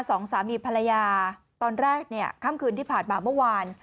สองสามีภรรยาตอนแรกเนี่ยค่ำคืนที่ผ่านมาเมื่อวาน